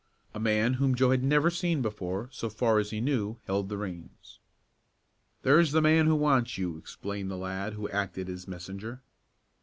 A man whom Joe had never seen before, so far as he knew, held the reins. "There's the man who wants you," explained the lad who had acted as messenger.